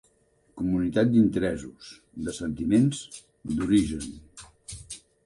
Comunitat d'interessos, de sentiments, d'origen.